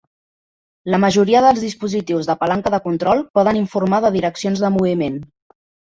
La majoria dels dispositius de palanca de control poden informar de direccions de moviment.